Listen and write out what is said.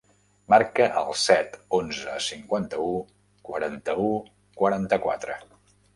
Marca el set, onze, cinquanta-u, quaranta-u, quaranta-quatre.